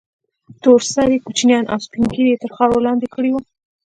تور سرې كوچنيان او سپين ږيري يې تر خاورو لاندې كړي وو.